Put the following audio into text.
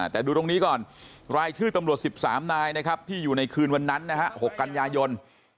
แต่ดูตรงนี้ก่อนรายชื่อตำรวจ๑๓นายนะครับที่อยู่ในคืนวันนั้นนะฮะ๖กันยายน